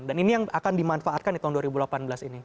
dan ini yang akan dimanfaatkan di tahun dua ribu delapan belas ini